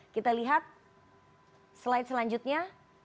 kita lihat slide selanjutnya